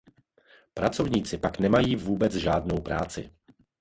Pracovníci pak nemají vůbec žádnou práci.